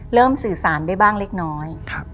เริ่มสื่อสารไปบ้างเล็กน้อย